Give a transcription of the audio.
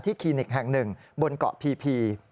คลินิกแห่งหนึ่งบนเกาะพี